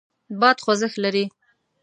باد خوځښت لري.